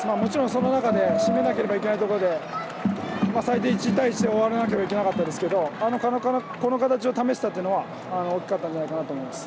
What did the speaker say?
その中で締めなければいけないところで最低１対１で終わらないといけなかったですが、この形を試せたのはよかったと思います。